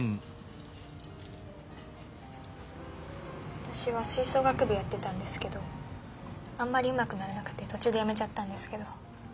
私は吹奏楽部やってたんですけどあんまりうまくならなくて途中でやめちゃったんですけど。